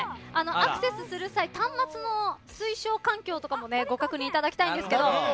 アクセスする際端末の推奨環境とかもご確認いただきたいんですけど。